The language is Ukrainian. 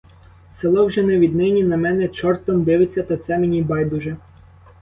Село вже не від нині на мене чортом дивиться, та це мені байдуже.